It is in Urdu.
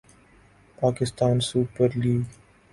Pakistan super league